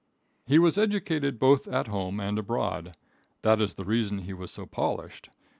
He was educated both at home and abroad. That is the reason he was so polished.